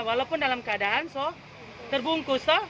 walaupun dalam keadaan terbungkus